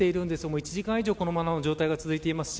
１時間以上この状態が続いています。